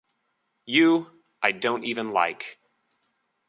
You, I don't even like.